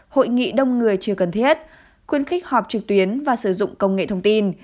hội nghị đông người chưa cần thiết khuyến khích họp trực tuyến và sử dụng công nghệ thông tin